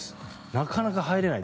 なかなか入れない。